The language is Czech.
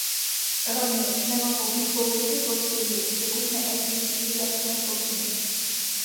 Rovněž nemohou být použity postihy, dokud neexistují jasné pokyny.